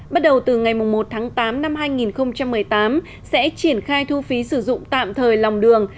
bắt đầu từ ngày một tháng tám năm hai nghìn một mươi tám sẽ triển khai thu phí sử dụng tạm thời lòng đường